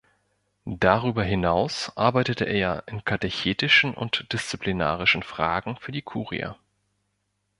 Darüber hinaus arbeitete er in katechetischen und disziplinarischen Fragen für die Kurie.